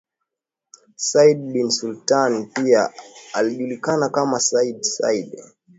Said bin Sultani pia alijulikana kama Sayyid Said